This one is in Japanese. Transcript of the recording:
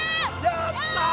やった！